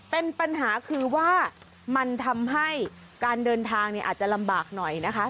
เป็นปัญหาคือว่ามันทำให้การเดินทางเนี่ยอาจจะลำบากหน่อยนะคะ